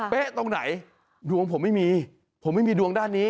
ตรงไหนดวงผมไม่มีผมไม่มีดวงด้านนี้